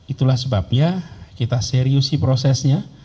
itulah sebabnya kita seriusi prosesnya